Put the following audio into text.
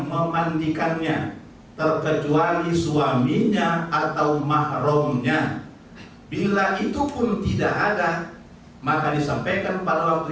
memandikannya terkecuali suaminya atau mahrumnya bila itu pun tidak ada maka disampaikan pada waktu